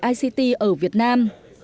ict ở việt nam